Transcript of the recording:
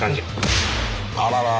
あららら。